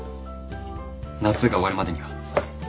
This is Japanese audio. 夏が終わるまでには。